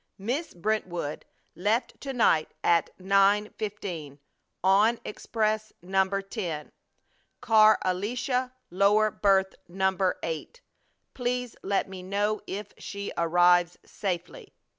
Miss Brentwood left to night at nine fifteen on express number ten, car Alicia lower berth number eight. Please let me know if she arrives safely.